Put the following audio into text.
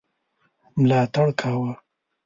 ملاتړ کاوه.